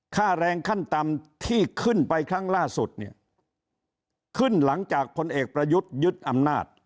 ค่าแรงขั้นต่ำที่ขึ้นไปครั้งล่าสุดเนี่ยขึ้นหลังจากพลเอกประยุทธ์ยึดอำนาจ